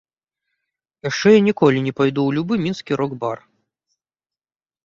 Яшчэ я ніколі не пайду ў любы мінскі рок-бар.